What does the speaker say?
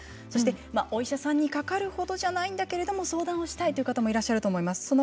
そして、お医者さんにかかるほどじゃないんだけれども相談をしたいっていう方もいらっしゃると思います。